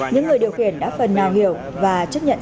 những người điều khiển đã phần nào hiểu và chấp nhận